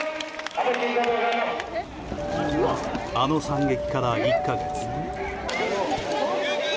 あの惨劇から１か月。